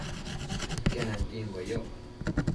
Iquenuanquimbue yoc